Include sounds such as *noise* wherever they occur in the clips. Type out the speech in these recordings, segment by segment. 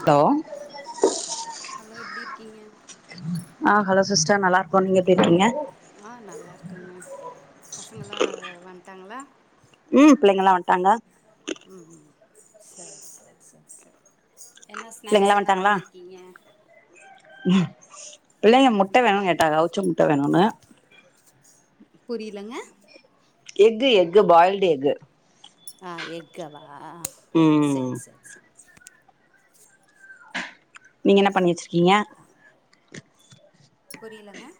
Hello hello எப்டி இருக்கீங்க அ ஹலோ சிஸ்டர் நல்லா இருக்கோ நீங்க எப்டி இருக்கீங்க ஆ நல்லாருக்கோங்க பசங்கள்லா வன்டாங்ளா ம் பிள்ளைங்ல்லா வன்டாங்க ம் ம் சேர் சேர் சேர் சேர் என்ன ஸ்நாக்ஸ் பிள்ளைங்கல்லா என்ன வந்ட்டாங்களா பண்ணிருக்கீங்க பிள்ளைங்க முட்ட வேணுண் கேட்டாங்க அவுச்ச முட்ட வேணுணா புரியுலங்க எக்கு எக்கு பாயில்டு எக்கு ஆ எக்கவா ம் செர் செர் செர் நீங்க என்ன பண்ணி வச்சுருக்கீங்க அ புரிலங்க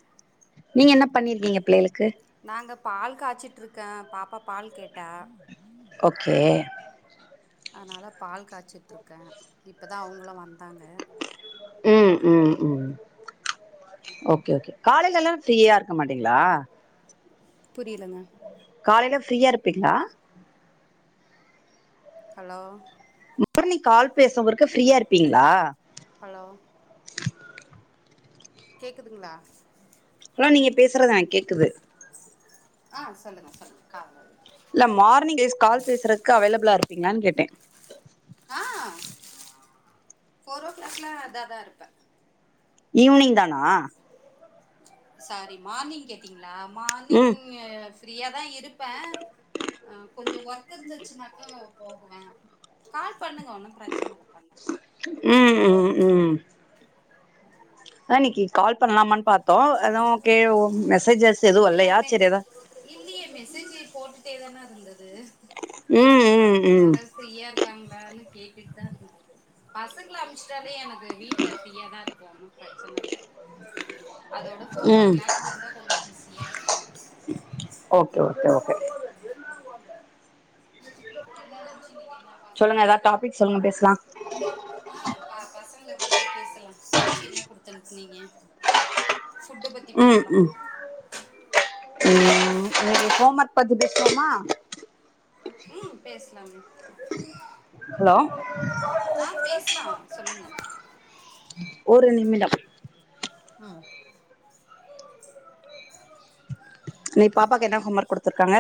நீங்க என்ன பண்ணிருக்கீங்க பிள்ளைகளுக்கு நாங்க பால் காச்சிட்ருக்க பாப்பா பால் கேட்டா ஓகே அதனால பால் காச்சிட்ருக்க இப்போ தா அவ்ங்ளு வந்தாங்க ம் ம் ம் ஓகே ஓகே காலைல்லல்லா ஃப்ரீயா இருக்க மாட்டீங்ளா புரிலங்க காலைல ஃப்ரீயா இருப்பீங்ளா ஹலோ மார்னிங் கால் பேசவருக்கு ஃப்ரீயா இருப்பீங்ளா ஹலோ கேக்குதுங்ளா ஹலோ நீங்க பேசுறத கேக்குது ஆ சொல்லுங்க சொல்லுங்க காவ்லரு தம் மார்னிங் கேஸ் கால் பேசுறக்கு அவைளுபுளா இருப்பீங்களானு கேட்ட ஆ ஃபோர் ஓ கிளாக்ல அதாதா இருப்ப ஈவினிங் தானா சாரி மார்னிங் கேட்டீங்ளா மார்னிங் ம் ய ஃரீயாதா இருப்ப ஆ கொஞ்சோ ஒர்க் இருந்துச்சுனாக்கா போகுவ கால் பண்ணுங்க ஓன்னு பிரச்சன இல்ல பண்ணுங்க ம் ம் ம் அன்னைக்கி கால் பண்ணலாமான்னு பாத்தோ அதா ஓகே ஓ மெசேஜஸ் எதுவு இல்ல இல்லையா மே சரி அதா இல்லையே மெசேஜி போட்டுட்டே தானா இருந்தது ம் ம் ம் யாராவது ஃப்ரீயா இருக்காங்களான்னு கேட்டுட்டுதா இருந்தது பசங்கள அனும்ச்சுட்டாலே எனக்கு வீட்ல ஃப்ரீயாதா இருக்கு ஒன்னு பிரச்சன இல்ல அதோட ஃபோர் ஓ ம் கிளாக் வந்தா கொஞ்சோ பிஸியா இருக்கு ஓகே ஓகே ஓகே என்ன நெனச்சிவிக்கங்க சொல்லுங்க பசங்களுக்கு ஏதாவது டாபிக் ச சொல்லுங்க பேசலா *inaudible* ஆ ப பசங்கள பத்தி பேசலா லன்ச்சி என்ன குடுத்து அனுப்னிங்க ஃபுட்ட பத்தி ம் பேசலா ம் ம் இன்னைக்கு ஹோம் ஒர்க் பத்தி பேசுவோமா ம் பேஷ்லாமே ஹலோ பேசலாம் சொல்லுங்க ஒரு நிமிடம் ம் இன்னைக்கு பாப்பாக்கு என்ன ஹோம் ஒர்க் குடுத்துருக்காங்க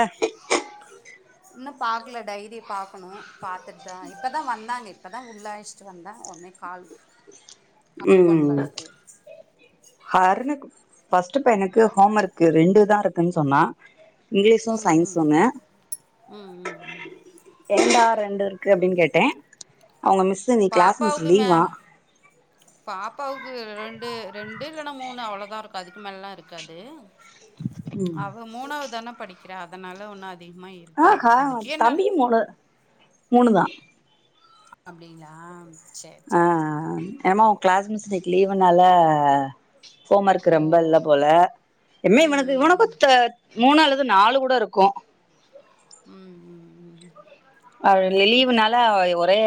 இன்னு பாக்கல டைரி பாக்கணு பாத்துட்டு தா இப்பதா வந்தாங்க இப்பதா உள்ள அழச் சி வந்தா உடனே கால் கால் உம் பண்ணலான்ட்டு அர்னக்கு ஃபர்ஸ்ட்டு பையனுக்கு ஹோம் ஒர்க்கு ரெண்டு தா இருக்குன்னு சொன்னா இங்கிலீஷு ம் சயின்ஸு ம் ஒன்னு ம் ம் ம் ஏன்டா ரெண்டு இருக்கு அப்டின்னு கேட்டே அவங்க மிஸ்ஷூ கிளாஸ் மிஸ்சு பாப்பாவுக்கு மே லீவா பாப்பாவுக்கு ரெண்டு ரெண்டு இல்லன்னா மூணு அவ்ளோதா இருக்கு அதுக்கு மேலலா இருக்காது அவ மூனாவதான படிக்கிறா அதனால ஒன்னா அதிகமா இற் ஆஹா தம்பி மூனு மூனுதா அப்டிங்ளா ஆ ஆ எமோ அவ கிளாஸ் மிஸ் இன்னைக்கு லீவுனால ஹோம் ஒர்க் ஓ! ரொம்ப இல்ல போல இம்மே ம் இவனுக்கு இவனுக்கு ம் த மூனு அல்லது நாலு கூட இருக்கு ம் ம் ம் அவரு லீவு நாள் ல ஒரே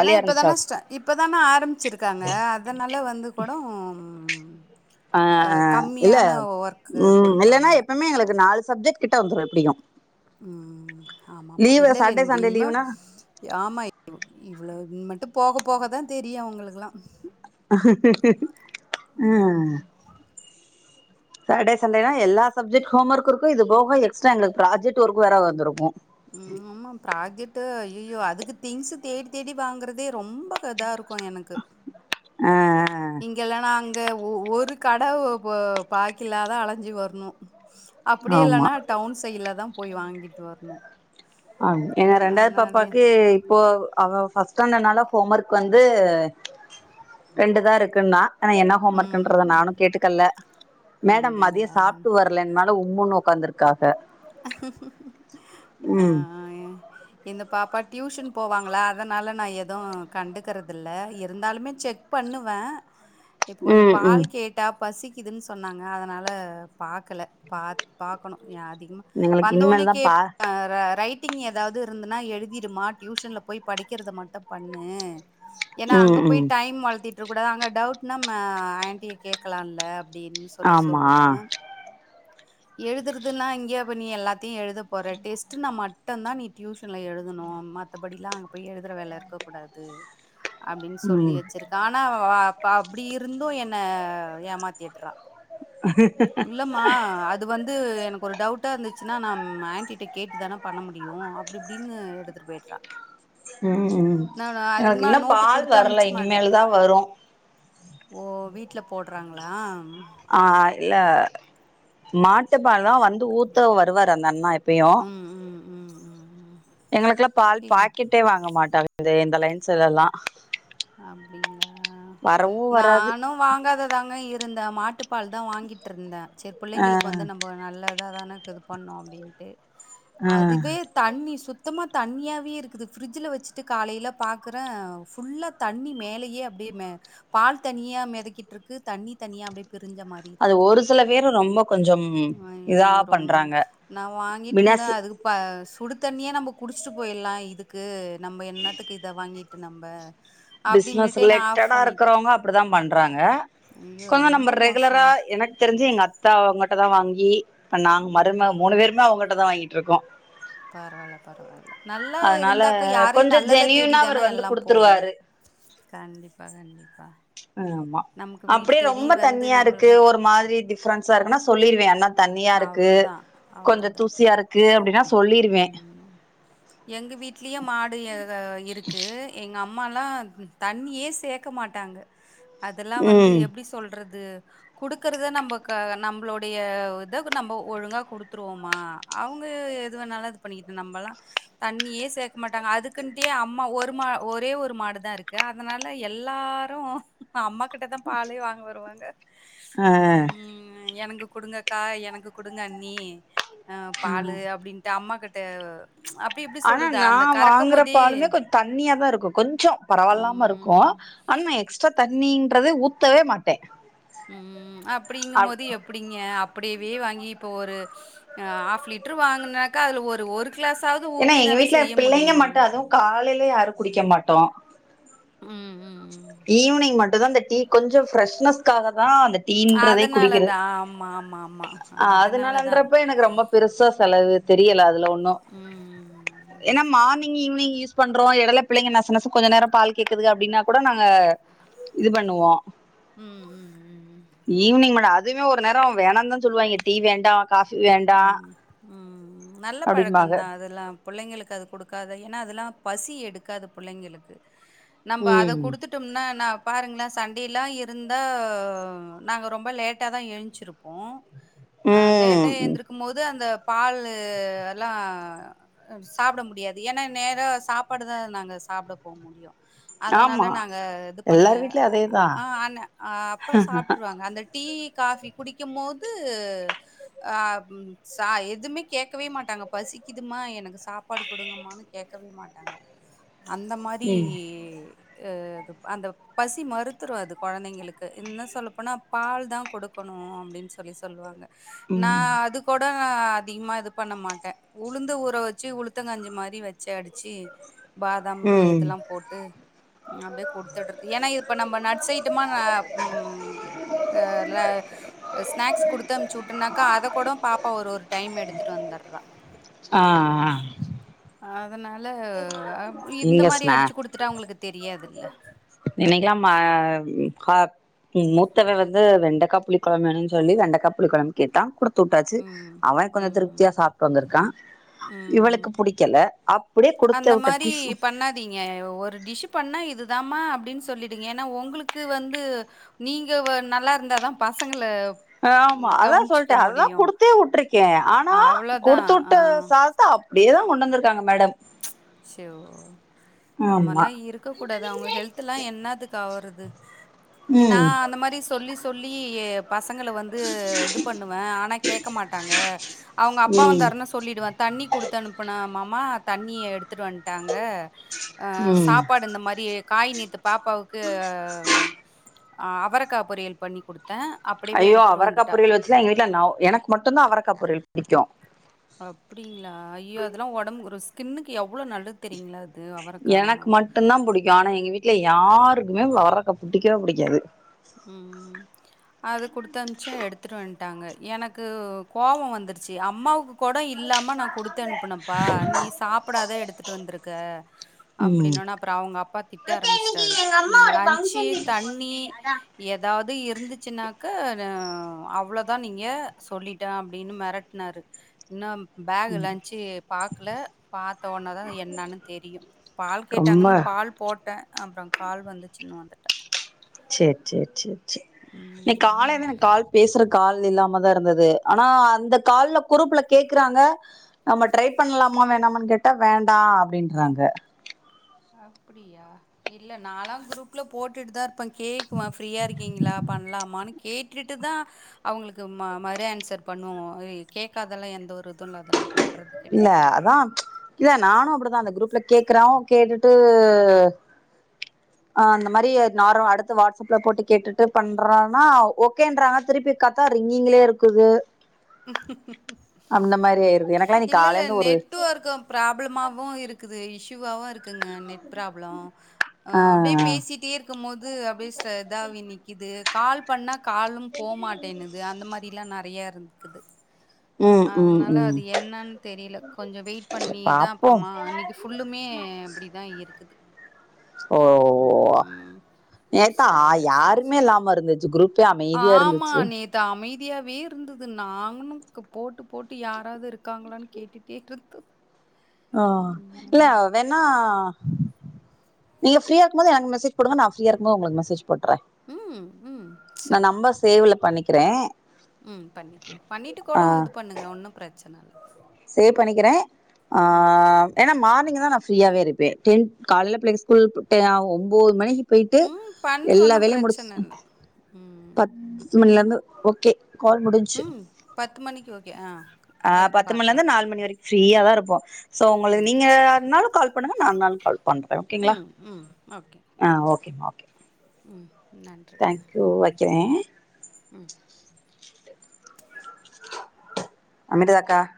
ஏன்னா இருந்துச்சா இப்பதானா ஸ்டா இப்பதானே ஆரம்பிச்சிருக்காங்க அதனால வந்து கூட ம் ஆ அ ஆ இல்ல கம்மியான ஒர்க்கு ம் இல்லன்னா குடுப்பாங்கல்ல. எப்பவுமே எங்களுக்கு நாலு சப்ஜெக்ட் கிட்ட வந்துடு எப்படியு ம் ஆமாமா இல்லல்ல இன் சாட்டர்டே சண்டே இன்ம லீவுனா ஆமா இவ்வள விட்டு போக போகதா தெரியும் அவங்களுக்குல்லா ஆ ம். சாட்டடே சண்டேனா எல்லா சப்ஜெக்ட் ஹோம் ஒர்க்கும் இது போக எக்ஸ்ட்டா புராஜெக்ட் ஒர்க்கு வேற வந்திருக்கு உம் ஆமா ப்ராஜெக்ட் ஐயயோ அதுக்கு திங்ஸ் தேடி தேடி வாங்குறதே ரொம்ப இதா இருக் கு எனக்கு ஆ இங்கல்லா நா ஒரு கட பா பாக்கிலாதா அலஞ்சி வரணும் அப்டி ஆமா இல்லன்னா டவுன் சைட்ல தா போய் வாங்கிட்டு வரணும் ஆ ஏன் ரெண்டாவது அதனாலயே பாப்பாக்கே இப்போ அவ ஃபஸ்ட்டாண்டடுனால ஹோம் ஒர்க் வந்து ரெண்டு தா இருக்குன்னா ஆனா என்ன ஹோம் ஒர்க்ன்றத ம். நானு கேட்டுக்கல மேடம் மதியம் அப்படிங்களா? சாப்பிட்டு வரலன்னா உம்முனு உக்காந்துருக்காக ஆ ம் அ எங்க பாப்பா டியூஷன் போவாங்களா அதனலா நா எதும் கண்டுக்கறதில்ல இருந்தாலுமே செக் பண்ணுவே இப்போ கொஞ்சோ ம் ம் பால் கேக் ட்டா பசிக்குதுன்னு சொன்னாங்க அதனால பாக்கல பாத் பாக்கணும் எ அதிகம எங்களுக்கு வந்த உடனே இனிமேல் தான்ப்பா கேப் ர ரைட்டிங் ஏதாவது இருந்ததுன்னா எழுதிடுமா டியூஷனல்ல போய் படிக்கிறத மட்டும் பண்ணு ஏன்னா அங்க ம் போய் ம் டைம் வளத்திட்டு இருக்க கூடாது அங்க டவுட்னா ஆண்டிய கேட்கலாம்ல அப்படின்னு சொ சொல்லி ஆமா சொல்லுவ எழுதுறதுன்னா இங்கயே நீ எல்லாத்தையு எழுத போற டெஸ்ட் நா மட்டும்தா நீ டியூஷன்ல எழுதனு மத்தபடிலா அங்க போய் எழுதுற வேல இருக்க கூடாது அப்டின்னு சொல்லி ம் வச்சிருக்கே ஆனா அ அப்டி இருந்து என்ன ஏமாத்திட்டுறா இல்லமா அது வந்து எனக்கு ஒரு டவுட் டா இருந்துச்சுன்னா நா ஆண்டிட்ட கேட்டு தானே பண்ண முடியு அப்டி இப்டின்னு எடுத்துட்டு போய்டுறா ம் ம் நானு எனக்கு அதிகமா இன்னு நோட்டு பால் குடுத்து வரல அமுச்சிக்கமாட்டே இனிமேல் தா வரு ஓ வீட்டில போடுறாங்களா ஆ இல்ல மாட்டுப்பால் தா வந்து ஊத்த வருவாரு அந்த அண்ணா எ ப்பியு ம், ம், ம், ம், ம். எங்களுக்குலா பால் என் பாக்கெட் டே வாங்க மாட்டாரு இந்த லைன்ஸ்லல்லா அப்டிங்களா வராது நானு வாங்காத தாங்க இருந்தே மாட்டுப்பால் தா வாங்கிட்டு இருந்தே செரி ஆ பிள்ளைங்களுக்கு வந்து நம்ம நல்லா அத தானே இது பண்ணு அப்டின்ட்டு ஆ அதுவே தண்ணி சுத்தமா தண்ணியாவவே இருக்குது ஃபரிட்ஜில்ல வச்சுட்டு காலையில பாக்குறே ஃபுல்லா தண்ணி மேலயே அப்டியே மே பால் தனியா மிதக்கிட்டு இருக்கு தண்ணி தனியா அப்டியே பிரிஞ்ச மா ரி அது இருக்குது ஒரு சில பேரு ரொம்ப கொஞ்சம் ம் அய்யயோ இதா ரொம் பண்றாங்க நா வாங்கிட்டு இருந்தே பினஸ் அதுக்கு இப்போ சுடு தண்ணியே நம்ம குடிச்சிட்டு போயிடலா இதுக்கு நம்ம என்னத்துக்கு இத வாங்கிட்டு நம்ப பிசினஸ் அப்டின்னுட்டே நான் ஆஃப் ரிலேட்டடா பண்ணிட்டேன். இருக்கறவங்க அப்டிதா பண்றாங்க ஐயோ! கொஞ்சோ ரொம்ப நம்ம ரெகுலரா மோசங்க. எனக்கு தெரிஞ்சு எங்க அத் தா அவுங்கிட்ட தா வாங்கி இப்ப நாங்க ம். மருமக மூணு பேருமே அவங்கிட்ட தா வாங்கிட்டு இருக்கோ பரவால்ல பரவால்ல நல்லா அதனால இருந்தாக்கா யாரையு கொஞ்ச நல்லத ஜெனியூனா அவர் தேடிதானே வந்து எல்லா போவோ குடுத்துருவாரு கண்டிப்பா கண்டிப்பா ஆமா நமக்கு வீடு அப்டியே தேடி ரொம்ப வந்து தண்ணியா இருக்கு நம்பளுக்கு ஒரு மாதிரி டிஃப ரன்ஸா இருக்குனா சொல்லிருவே அண்ணா தண்ணியா இருக்கு அவ்வளதான், கொஞ்ச அவ்வளதான். தூசியா இருக்கு அப்டின்னா சொ ம் எங்க வீட்லயே மாடு *unintelligible* இருக்கு எங் க அம்மாலா தண்ணியே சேக்க மாட்டாங்க அதெல்லா வந்து ம் எப்டி சொல்றது குடுக்குறத நம்ம க நம்மளுடைய இத நம்ம ஒழுங்கா குடுத்துருவோமா அவுங்க இது வேணால இது பண்ணிக்கிட்டு நம்மல்லா தண்ணியே சேக்கமாட்டாங்க அதுக்குன்டே அம்மா ஒரு மா ஒரே ஒரு மாடு தா இருக்கு அதனால எல்லாரு அம்மாக் கிட்ட தா பாலே வாங்க வருவாங்க ம் எனக்கு குடுங்கக்கா எனக்கு குடுங்க அண்ணி அ பாலு அப்டின்ட்டு அம்மாகிட்ட அப்டி இப்டி ஆனா சொல்றது நா அந்த வாங்குற கறக்கமோதே பாலுமே கொஞ்சோ தண்ணியா தா இருக்கு கொஞ்சொ பரவால்லாம இருக்கும் ம். ஆனா நா எக்ஸ்ட்ரா தண்ணின்றத ஊத்தவே மாட்டே ம் அப்டிங்க அப் போது எப்டிங்க அப்டியவே வாங்கி இப்போ ஒரு ஹாஃப் லிட்டரு வாங்கினாங்கா அதுல ஒரு ஒரு க்ளாஸாவ் ஏன்னா எங்க வீட்டுல பிள்ளைங்க மட்டு அதுவு காலையில யாரு குடிக்க மாட்டோ ம் ம் ஈவினிங் மட்டுதா அந்த டீ கொஞ்சோ ஃபிரெஷ்னஸ்காக தா அந்த டீன்றதே அதனால குடிக்கிற தான். ஆமா, ஆமா, ஆமா. ஆ அதனால தான். அதனாலன்றப்ப எனக்கு ரொம்ப பெருசா செலவு தெரியல அதுல ஒன்னு ம் ம் ஏனா மார்னிங் ஈவினிங் யூஸ் பண்றோம் எடல பிள்ளங்க நச நசன்னு கொஞ்ச நேரொ பால் கேக்குதுங்க அப்டின்னா கூட நாங்க இது பண்ணுவோம் ம் ம் ம் ஈவினிங் மேல அதுமே ஒரு நேரொ வேணாந்தா சொல்லுவாங்க டீ வேண்டா ம் ம் நல்ல அப்படின்பாங்க பழக்கந்தான் அதெல்லாம் புள்ளைங்களுக்கு அது குடுக்காத ஏனா அதெல்லா பசி எடுக்காது புள்ளைங்களுக்கு நம்ப அத ம் குடுத்துட் ட்டோமுனா நா பாருங்ளே சண்டேலா இருந்தா நாங்க ரொம்ப லேட்டா தா ஏன்ச்சிருப்போம் அ லேட்டா ம் எந்திருக்கும் போது அந்த பாலு எல்லா அ சாப்ட முடியாது ஏன்னா நேரா சாப்பாடுதா நாங்க சாப்ட போ முடியும் ஆமா அதனால நாங்க இது பண்ண எல்லார் வீட்லயும் அதேதான் ஆ அ அப்ப சாப்ட்டுருவாங்க அந்த டீ காஃபி குடிக்கம் போது அ ம் ச எதுவுமே கேக்கவே மாட்டாங்க பசிக்குதுமா எனக்கு சாப்பாடு குடுங்கமான்னு கேக்கவே மாட்டாங்க அந்த மாரி ம் அ இது அந்த பசி மறுத்துரு அது கொழந்தைங்களுக்கு இன்னு சொல்லப்போனா பால் தா குடுக்கணு அப்டின்னு சொல் சொல்லி சொல்வாங்க நா ம் அது கொட அதிகமா இது பண்ண மாட்ட உளுந்து ஊற வச்சு உளுத்தங்கஞ்சி மாரி வ வச்ச அடிச்சு பாதாம் பெ ம் இதெல்லா போட்டு ம் அப்டியே குடுத்துட்றது ஏனா இப்ப நம்ம நட்ஸ் ஐட்டமா அ ம் அ ல ஸ்நாக்ஸ் குடுத்து அமுச்சிட் ட்டுனாக்கா அத கொட பாப்பா ஒரு ஒரு டைம் எடுத்துட்டு வந்துறா ஆ ஆ அதனால அ இந்த இங்க மாறி ஸ்நா அடிச்சு குடுத்துட்டா அவுங்ளுக்கு தெரியாதுல்ல இன்னக்கலா மா ஹ மூத்தவ வந்து வெண்டைக்கா புளி கொழம்ப வேணுனு சொல்லி குழம்பு வேணும்னு சொல்லி வெண்டக்கா புளி கொழம்பு கேட்டா குடுத்து உட்டாச்சு ம். அவ கொஞ்ச ம். திருப்தியா சாப் வந்துருக்கான் ம். இவளுக்கு புடிக்கல அப் அந்த மாறி பண்ணா ங்க ஒரு டிஷு பண்ணா இதுதாம்மா அப்டின்னு சொல்லிடுங்க ஏனா ஒங்ளுக்கு வந்து நீங்க வ நல்லாருந்தாதா பசங்கள ஆமா ம் அதா சொல்ட்ட கவனிச்சுக்க அதா முடியும். குடுத்தே உட்டுருக்கே ஆனா அவ்ளோதான். குடுத்து ஆ. உட்டு சா தத்த அப்டியேதா கொண்டு வந்திருக்காங்க மேடம் ஸ்சொ அந்த ஆமா மாறிலா இருக்க கூடாது அவுங்க ஹெல்தல்லா என்னாதுக்கு ஆவுறது இங்க நா ம் அந்த மாறி சொல்லி சொல்லி பசங்கள வந்து இது பண்ணுவ ஆனா கேக்க மாட்டாங்க அவுங்க அப்பா ம் வந்தார்னா சொ சொல்லிவிடுவ தண்ணி குடுத்து அனுப்புனா மாமா தண்ணிய எடுத்துட்டு வந்ட்டாங்க அ ம் சாப்பாடு இந்த மாரி காய் நேத்து பாப்பாவுக்கு அ அவரக்கா பொரியல் பண்ணி குடுத் த அப்டியவே எடுத்துட்டு வந்துட்டா ஆக்சுவலா எங்க வீட்ல நொவ் எனக்கு மட்டும்தா அவரக்கா பொரியல் புடிக்கு அப்டிங்களா ஐயோ அதெல்லா உடம்புக்கு ஸ்கின்னுக்கு எவ்ளோ நல்லது தெரியங்களா அது அவரக்கா? எனக்கு மட்டுந்தா புடிக்கு ஆனா எங்க வீட்ல யாருக்குமே அவரக்கா புடிக்கவே புடிக்காது ம் அது குடுத்தம்ச்சே எடுத்துட்டு வந்துட்டாங்க எனக்கு கோப வந்துருச்சு அம்மாவ்க்கு கூட இல்லாம நா குடுத்து அனுப்புனப்பா நீ சாப்பிடாது எடுத்துட்டு வந்துருக்க ம் அப்டின்னோனா அப்ற அவுங்க அப்பா திட்ட ஆரம்பிச்சிட்டாரு லஞ்சு தண்ணி எதாது இருந்துச்சுனாக்க அ அவ்ளோதா நீங்க சொல்லிட்டே அப்டின்னு மெரட் னாரு இன்னு பேகு லஞ்சு பாக்கல பாத்தோன தா என்னானு தெரியு பால் ரொம்ப கேட்டாங்கன்னு பால் போட்டே அப்றோ கால் வந்துச்சின்னு வந்துட்டே சேர் சேர் சேர் சேர் நீ காலைல தான ம். கால் பேசுற கால் இல்லாம தா இருந்தது ஆனா அந்த கால்ல குருப்புல கேக்குறாங்க நம்ம ட்ரை பண்ணலாமா வேணாமான் கேட்டா வேண்டா அப்டின்றாங்க அப்டியா இல்ல நாலா குரூப்ல போட்டுட்டு தா இருப்ப கேக்குவ ஃப்ரீயா இருக்கீங்களா பண்ணலாமான்னு கேட்டுட்டுதா அவுங்களுக்கு மறு ஏன்சர் பண்ணுவோ எ கேக்காதெல்லா எந்த ஒரு இதுல அதெல்லா பண்றது இல்ல கெடையாது அதா இல்ல நானு அப்டிதா அந்த குரூப்ல கேக்கறோ கேட்டுட்டு அந்த மாரி நாரு அடுத்த வாட்ஸ்அப்ல போட்டு கேட்டுட்டு பண்றனா ஓ கேன்றாங்க திருப்பி கத்தா ரிங்கீங்ளே இருக்குது அந்த மாரி ம் ஆயிருது எனக்கெல்லா இன்னைக்கு காலைல இல்லல்ல இருந்து ஒரு நெட் ஒர்க் கு ப்ராப்ளமாவு இருக்குது இஸ்ஸுவாவு இருக் குங்க நெட் ப்ராப்ளோ அ ஆ அப்டியே பேசிட்டே இருக்கும்போது அப்டியே ச இதாவி நிக்குது கால் பண்ணா காலும் போமாட்டினுது அந்த மாரிலா நெறைய இருந் கிது ம் ம் அதனால ம் அது என்னன் தெரியல கொஞ்ச வெயிட் பண்ணிதா பாப்போம் அப்றமா நிக் ஃபுல்லுமே அப்டிதா இருக்குது ஓ ம். நேத்தா சரி, சரி, யாருமே சரி. இல்லாம இருந்துச்சு குரூப் பே அமைதியா இருந்துச்சு த்து அமைதியாவே இருந்தது நாங்களு போட்டு போட்டு யாராவ்து இருக்காங்களான்னு கேட்டுட்டே கேட்ருத்தோ அ இல்ல வேணா நீங்க ஃப்ரீயா இருக்கும் போது எனக்கு மெசஜ் குடுங்க நா ஃப்ரீயா இருக்கும்போ உங்ளுக் மெசேஜ் போட்றே ம், ம். நா சரி. நம்பர சேவ்ல பண்ணிக்கிறே ம் பண்ணிக்கிங்க பண்ணிட்டு ஆ கூட இது பண்ணுங்க ஒன்னு பிரச்சன இல்ல சேவ் பண்ணிக்கிறே ஆ ம். ஏனா மார்னிங் தா நா ஃப்ரீயாவே இருப் பே டென் காலைல பிள்ளைக ஸ்கூல்புட்டே ஒம்போது மணிக்கி போய்ட்டு ம். பண்ணுங்க. எல்லா ஒண்ணும் வேலையு முடிச் பிரச்சனை இல்ல. ம். பத்து மணிலருந்து ஓகே கால் முடிஞ்சு பத்து மணிக்கு ஓகே ஆ ஆ அடுத்து பத்து பார்க்கலாம். மணிலருந்து நாலு மணி வரைக்கு ஃப்ரீயா தா இருப்போ சோ உங்கள ம். சரி. நீங்கனாலு கால் பண்ணுங்க நான்னாலு கால் பண்றே ஓகேங்களா ம், ம். ஓகே. ஆ ஓகே மா ஓகே மா ம். நன்றி. ம், தேங்க் யூ வெக்கிறே ம் அமிர்தாக்கா